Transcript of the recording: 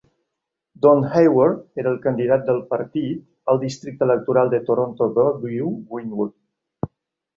Don Hayward era el candidat del partit al districte electoral de Toronto Broadview-Greenwood.